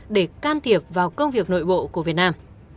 để can thiệp vào công việc nội bộ của việt nam